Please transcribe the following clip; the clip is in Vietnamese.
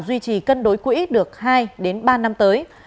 duy trì cân đối quỹ được hai đến ba năm tới